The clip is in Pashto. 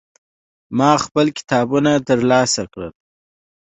ما خپل کتابونه ترلاسه کړل.